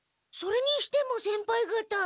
それにしても先輩方。